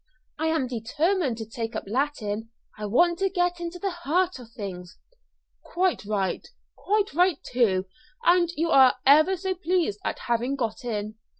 I am determined to take up Latin; I want to get to the heart of things." "Quite right quite right, too. And you are ever so pleased at having got in?"